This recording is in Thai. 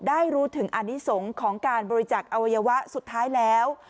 ได้รู้ถึงอนิสงฆ์ของการบริจักษ์อวัยวะสุดท้ายแล้ว